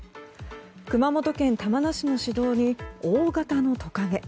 熊本県玉名市の市道に大型のトカゲ。